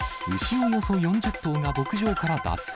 およそ４０頭が牧場から脱走。